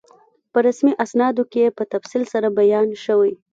په رسمي اسنادو کې په تفصیل سره بیان شوی.